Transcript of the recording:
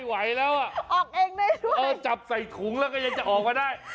ไหวแล้วอ่ะออกเองได้ด้วยเออจับใส่ถุงแล้วก็ยังจะออกมาได้